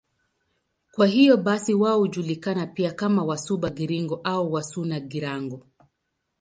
Kwa hiyo basi wao hujulikana pia kama Wasuba-Girango au Wasuna-Girango.